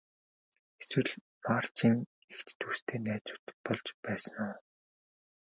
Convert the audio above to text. Эсвэл Марчийн эгч дүүстэй найзууд болж байсан уу?